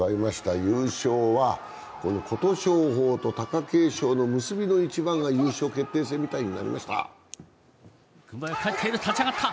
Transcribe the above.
優勝は琴奨峰と貴景勝の結びの一番が優勝決定戦みたいになりました。